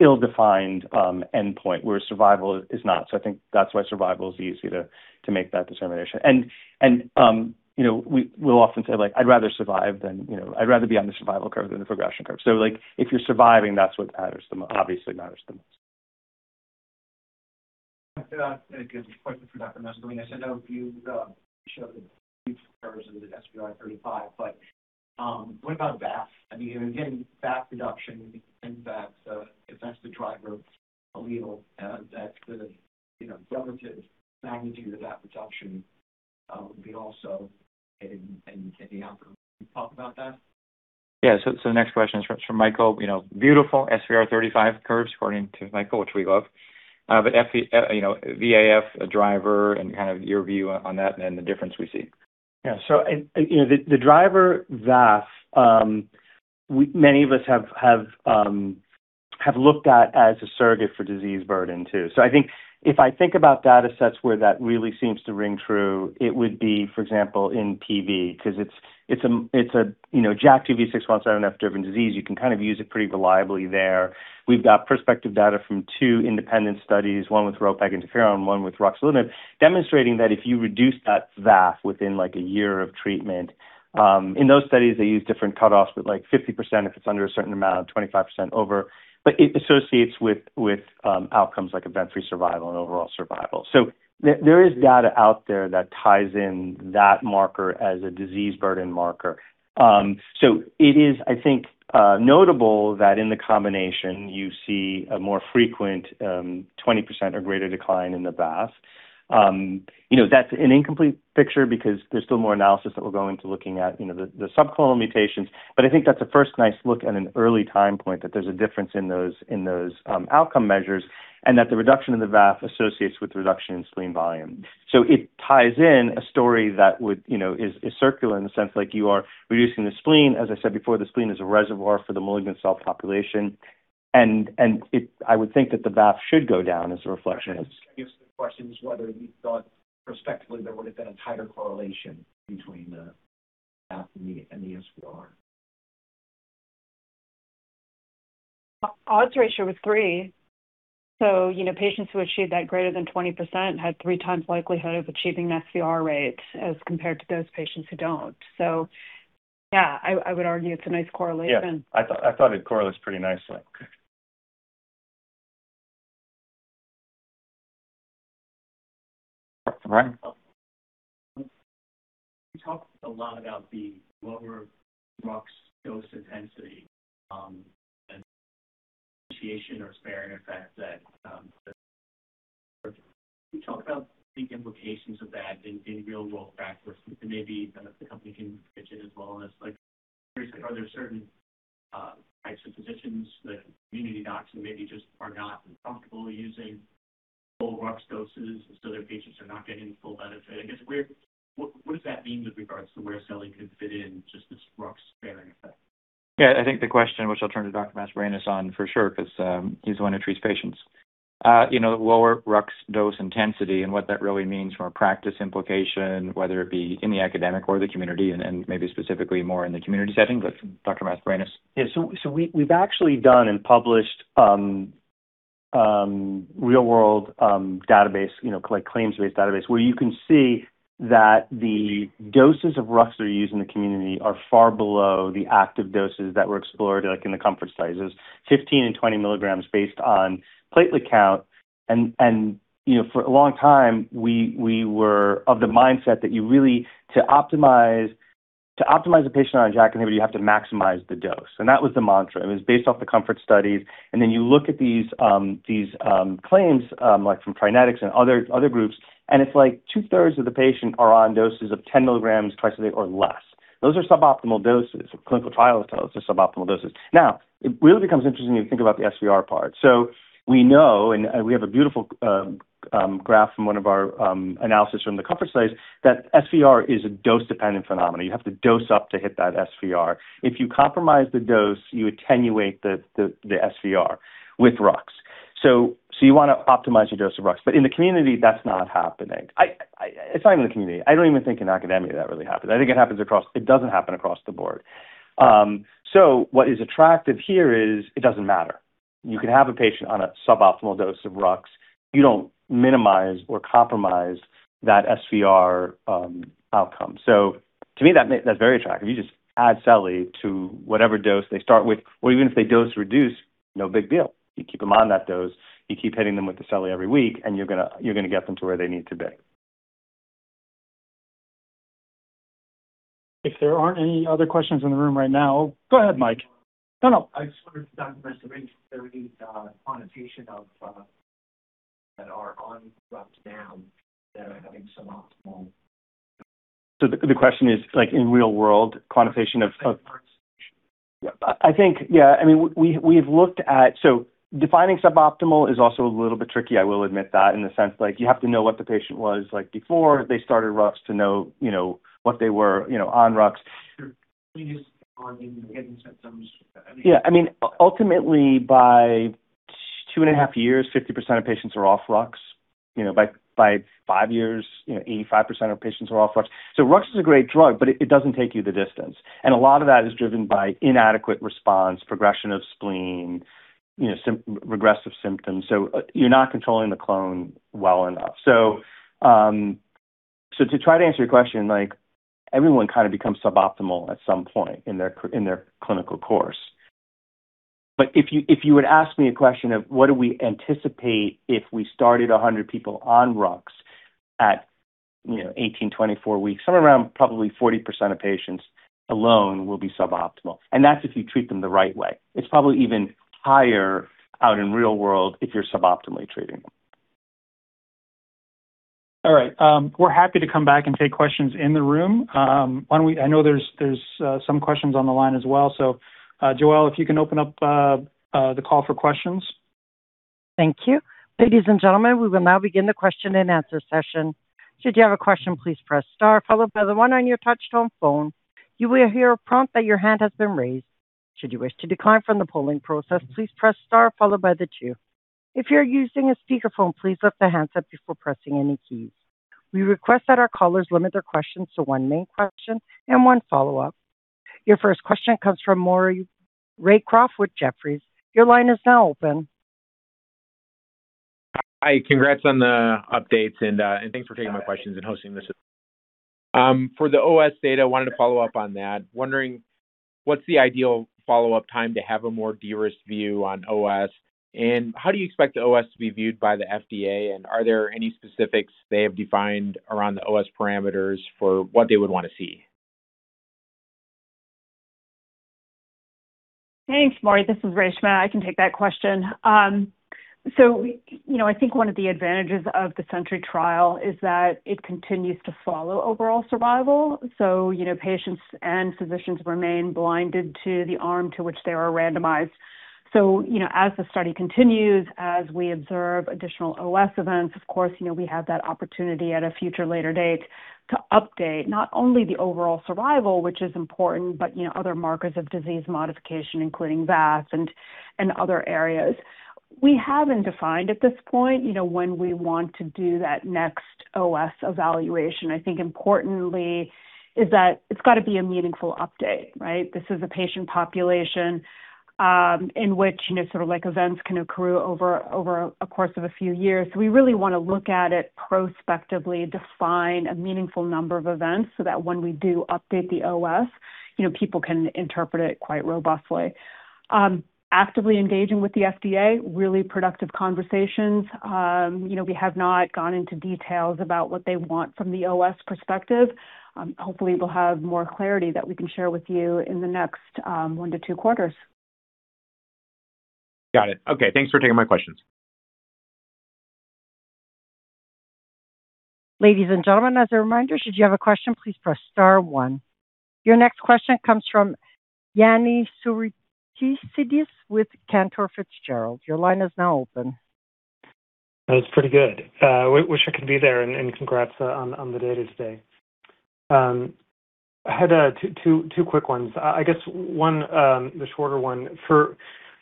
ill-defined endpoint, where survival is not. I think that's why survival is easy to make that determination. We'll often say, "I'd rather be on the survival curve than the progression curve." If you're surviving, that's what obviously matters the most. I think this is a question for Dr. Mascarenhas. I know you showed the huge curves of the SVR35, but what about VAF? Again, VAF reduction, if that's the driver allele, that the relative magnitude of that reduction would be also an outcome. Can you talk about that? Yeah. The next question is from Michael. Beautiful SVR35 curves according to Michael, which we love. VAF, a driver, and kind of your view on that and the difference we see. Yeah. The driver VAF, many of us have looked at as a surrogate for disease burden, too. I think if I think about datasets where that really seems to ring true, it would be, for example, in PV, because it's a JAK2 V617F-driven disease. You can kind of use it pretty reliably there. We've got prospective data from two independent studies, one with ropeginterferon, one with ruxolitinib, demonstrating that if you reduce that VAF within a year of treatment. In those studies, they use different cutoffs, but 50% if it's under a certain amount, 25% over. It associates with outcomes like event-free survival and overall survival. There is data out there that ties in that marker as a disease burden marker. It is, I think, notable that in the combination you see a more frequent, 20% or greater decline in the VAF. That's an incomplete picture because there's still more analysis that we'll go into looking at the subclonal mutations. I think that's a first nice look at an early time point that there's a difference in those outcome measures, and that the reduction in the VAF associates with the reduction in spleen volume. It ties in a story that is circular in the sense like you are reducing the spleen. As I said before, the spleen is a reservoir for the malignant cell population, and I would think that the VAF should go down as a reflection. I guess the question is whether you thought prospectively there would've been a tighter correlation between the VAF and the SVR? Odds ratio was three. Patients who achieved that greater than 20% had three times likelihood of achieving SVR rates as compared to those patients who don't. Yeah, I would argue it's a nice correlation. Yeah. I thought it correlates pretty nicely. Brian. You talked a lot about the lower rux dose intensity and association or sparing effect. Can you talk about the implications of that in real-world practice? Maybe the company can pitch in as well on this. Are there certain types of physicians, like community docs, who maybe just are not comfortable using full rux doses, and so their patients are not getting the full benefit? I guess, what does that mean with regards to where Celie could fit in, just this rux sparing effect? Yeah, I think the question, which I'll turn to Dr. Mascarenhas on for sure, because he's the one who treats patients. Lower rux dose intensity and what that really means from a practice implication, whether it be in the academic or the community, and maybe specifically more in the community setting. Dr. Mascarenhas. We've actually done and published real-world database, claims-based database, where you can see that the doses of rux that are used in the community are far below the active doses that were explored, like in the COMFORT sizes, 15 and 20 mg based on platelet count. For a long time, we were of the mindset that really to optimize a patient on a JAK inhibitor, you have to maximize the dose. That was the mantra. It was based off the COMFORT studies. You look at these claims from TriNetX and other groups, and it's like two-thirds of the patients are on doses of 10 mg twice a day or less. Those are suboptimal doses. Clinical trial doses are suboptimal doses. It really becomes interesting when you think about the SVR part. We know, and we have a beautiful graph from one of our analysis from the COMFORT studies, that SVR is a dose-dependent phenomenon. You have to dose up to hit that SVR. If you compromise the dose, you attenuate the SVR with rux. You want to optimize your dose of rux. In the community, that's not happening. It's not even the community. I don't even think in academia that really happens. I think it doesn't happen across the board. What is attractive here is it doesn't matter. You can have a patient on a suboptimal dose of rux. You don't minimize or compromise that SVR outcome. To me, that's very attractive. You just add cellie to whatever dose they start with, or even if they dose reduce, no big deal. You keep them on that dose, you keep hitting them with the cellie every week, and you're going to get them to where they need to be. If there aren't any other questions in the room right now. Go ahead, Mike. No, no. I just wondered, John, for the rest of 830, quantification of that are on rux now that are having suboptimal? The question is, in real world quantification. I think, yeah. Defining suboptimal is also a little bit tricky, I will admit that, in the sense, you have to know what the patient was like before they started rux to know what they were on rux. Sure. We just keep on getting symptoms. I mean. Yeah. Ultimately, by two and a half years, 50% of patients are off rux. By five years, 85% of patients are off rux. Rux is a great drug, but it doesn't take you the distance. A lot of that is driven by inadequate response, progression of spleen, regressive symptoms. You're not controlling the clone well enough. To try to answer your question, everyone becomes suboptimal at some point in their clinical course. If you would ask me a question of what do we anticipate if we started 100 people on rux at 18, 24 weeks, somewhere around probably 40% of patients alone will be suboptimal. That's if you treat them the right way. It's probably even higher out in real world if you're suboptimally treating them. All right. We're happy to come back and take questions in the room. I know there's some questions on the line as well. Joelle, if you can open up the call for questions. Thank you. Ladies and gentlemen, we will now begin the question and answer session. Should you have a question, please press star one on your touch-tone phone. You will hear a prompt that your hand has been raised. Should you wish to decline from the polling process, please press star two. If you're using a speakerphone, please lift the handset before pressing any keys. We request that our callers limit their questions to one main question and one follow-up. Your first question comes from Maury Raycroft with Jefferies. Your line is now open. Hi. Congrats on the updates and thanks for taking my questions and hosting this. For the OS data, I wanted to follow up on that. Wondering what's the ideal follow-up time to have a more de-risked view on OS, and how do you expect the OS to be viewed by the FDA, and are there any specifics they have defined around the OS parameters for what they would want to see? Thanks, Maury. This is Reshma. I can take that question. I think one of the advantages of the SENTRY trial is that it continues to follow overall survival. Patients and physicians remain blinded to the arm to which they are randomized. As the study continues, as we observe additional OS events, of course, we have that opportunity at a future later date to update not only the overall survival, which is important, but other markers of disease modification, including VAF and other areas. We haven't defined at this point when we want to do that next OS evaluation. I think importantly is that it's got to be a meaningful update, right? This is a patient population in which events can occur over a course of a few years. We really want to look at it prospectively, define a meaningful number of events so that when we do update the OS, people can interpret it quite robustly. Actively engaging with the FDA, really productive conversations. We have not gone into details about what they want from the OS perspective. Hopefully, we'll have more clarity that we can share with you in the next one to two quarters. Got it. Okay. Thanks for taking my questions. Ladies and gentlemen, as a reminder, should you have a question, please press star one. Your next question comes from Yanni Souroutzidis with Cantor Fitzgerald. Your line is now open. That was pretty good. Wish I could be there. Congrats on the data today. I had two quick ones. I guess one, the shorter one. For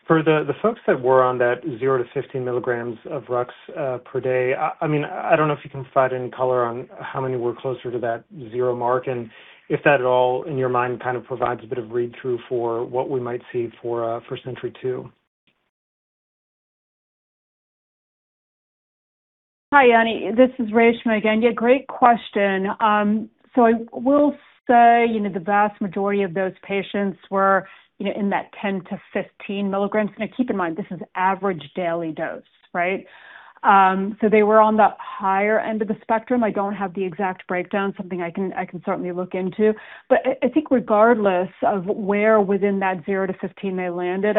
the folks that were on that zero to 15 mg of rux per day, I don't know if you can provide any color on how many were closer to that zero mark. If that at all, in your mind, provides a bit of read-through for what we might see for SENTRY-2. Hi, Yanni. This is Reshma again. Yeah, great question. I will say the vast majority of those patients were in that 10 to 15 mg. Now keep in mind, this is average daily dose, right? So they were on the higher end of the spectrum. I don't have the exact breakdown, something I can certainly look into. I think regardless of where within that 0-15 they landed,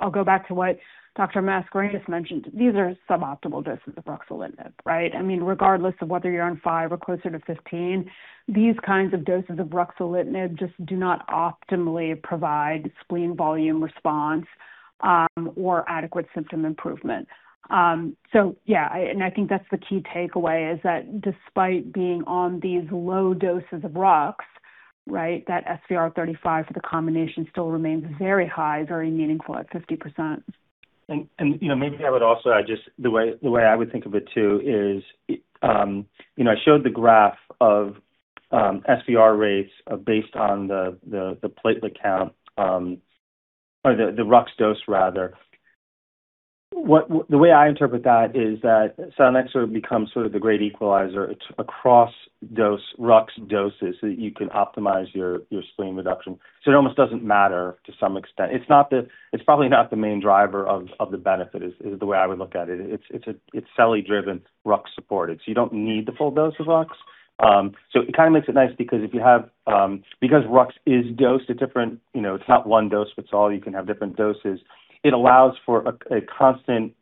I'll go back to what Dr. Mascarenhas mentioned. These are suboptimal doses of ruxolitinib, right? Regardless of whether you're on five or closer to 15, these kinds of doses of ruxolitinib just do not optimally provide spleen volume response or adequate symptom improvement. Yeah, and I think that's the key takeaway is that despite being on these low doses of rux, right, that SVR35 for the combination still remains very high, very meaningful at 50%. Maybe I would also add just the way I would think of it too is, I showed the graph of SVR rates based on the platelet count or the rux dose rather. The way I interpret that is that selinexor becomes sort of the great equalizer. It's across rux doses that you can optimize your spleen reduction. It almost doesn't matter to some extent. It's probably not the main driver of the benefit, is the way I would look at it. It's selinexor driven, rux supported. You don't need the full dose of rux. It kind of makes it nice because rux is dosed at different, it's not one dose fits all. You can have different doses. It allows for a constant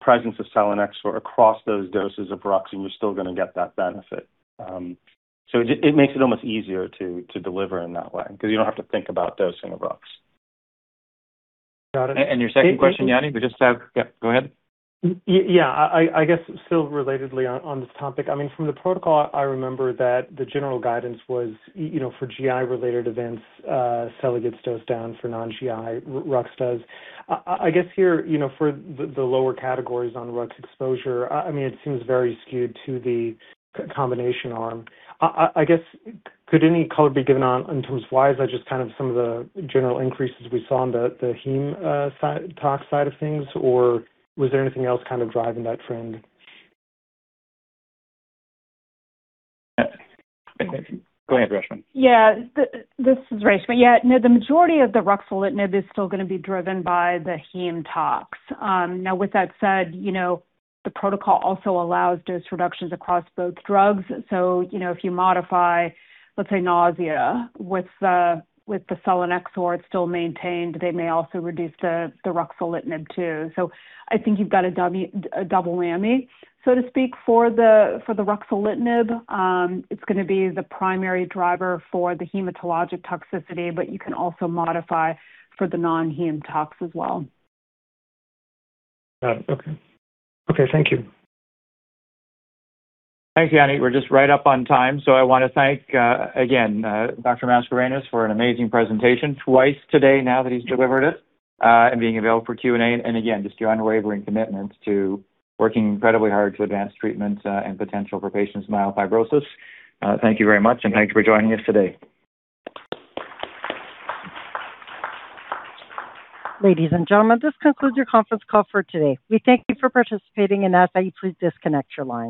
presence of selinexor across those doses of rux, and you're still going to get that benefit. It makes it almost easier to deliver in that way because you don't have to think about dosing of rux. Got it. Your second question, Yanni? We just have Yeah, go ahead. I guess still relatedly on this topic. From the protocol, I remember that the general guidance was for GI-related events, selinexor gets dosed down for non-GI, ruxolitinib does. I guess here, for the lower categories on ruxolitinib exposure, it seems very skewed to the combination arm. I guess, could any color be given on in terms of why? Is that just some of the general increases we saw on the heme tox side of things, or was there anything else driving that trend? Go ahead, Reshma. This is Reshma. No, the majority of the ruxolitinib is still going to be driven by the heme tox. With that said, the protocol also allows dose reductions across both drugs. If you modify, let's say, nausea with the selinexor, it's still maintained. They may also reduce the ruxolitinib, too. I think you've got a double whammy, so to speak, for the ruxolitinib. It's going to be the primary driver for the hematologic toxicity, but you can also modify for the non-heme tox as well. Got it. Okay. Okay, thank you. Thanks, Yanni. We're just right up on time. I want to thank, again, Dr. Mascarenhas for an amazing presentation twice today now that he's delivered it, and being available for Q&A, and again, just your unwavering commitment to working incredibly hard to advance treatment and potential for patients with myelofibrosis. Thank you very much, and thank you for joining us today. Ladies and gentlemen, this concludes your conference call for today. We thank you for participating and ask that you please disconnect your lines.